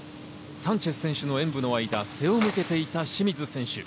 サンチェス選手の演武の間、背を向けていた清水選手。